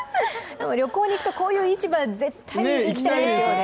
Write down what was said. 旅行に行くとこういう市場絶対いきたいですよね。